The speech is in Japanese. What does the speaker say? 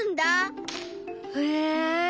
へえ！